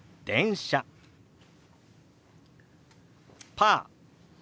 「パー」。